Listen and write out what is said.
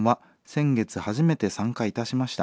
先月初めて参加いたしました。